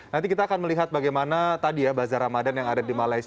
nanti kita akan melihat bagaimana tadi ya bazar ramadan yang ada di malaysia